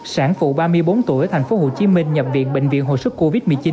sản phụ ba mươi bốn tuổi thành phố hồ chí minh nhập viện bệnh viện hội sức covid một mươi chín